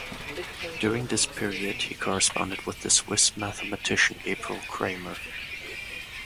During this period he corresponded with the Swiss mathematician Gabriel Cramer.